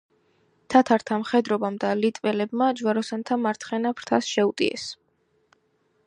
თათართა მხედრობამ და ლიტველებმა ჯვაროსანთა მარცხენა ფრთას შეუტიეს.